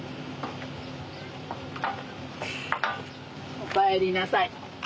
おかえりなさい。